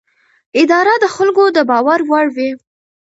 اداره د خلکو د باور وړ وي.